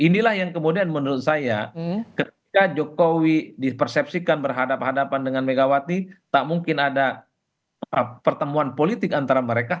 inilah yang kemudian menurut saya ketika jokowi dipersepsikan berhadapan hadapan dengan megawati tak mungkin ada pertemuan politik antara mereka